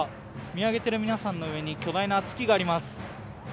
見上げている皆さんの上に巨大な月があります。